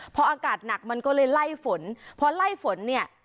พออากาศหนักมันก็เลยไล่ฝนพอไล่ฝนเนี่ย